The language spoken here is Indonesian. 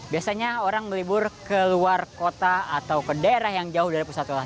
biasanya orang melibur ke luar kota atau ke daerah yang jauh dari pusat kota